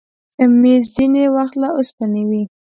مېز ځینې وخت له اوسپنې وي.